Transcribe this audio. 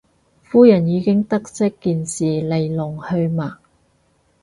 夫人已經得悉件事來龍去脈